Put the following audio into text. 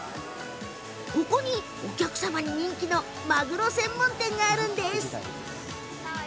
ここにお客さんから人気のマグロ専門店があります。